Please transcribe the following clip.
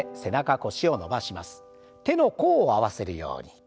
手の甲を合わせるように。